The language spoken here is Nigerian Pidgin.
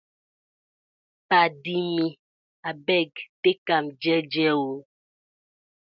Paadi mi abeg tak am jeje ooo.